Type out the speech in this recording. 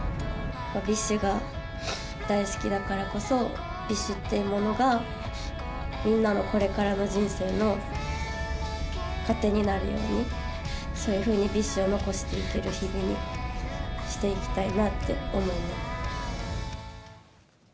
ＢｉＳＨが大好きだからこそ、ＢｉＳＨっていうものが、みんなのこれからの人生の糧になるように、そういうふうにＢｉＳＨを残していける日々にしていきたいなって思います。